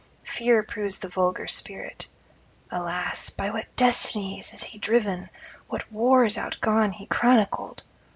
Fear proves the vulgar spirit. Alas, by what destinies is he driven! what wars outgone he chronicled!